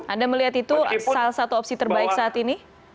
anda melihat itu salah satu opsi terbaik saat ini